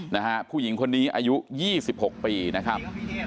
นะฮะผู้หญิงคนนี้อายุ๒๖ปีนะครับ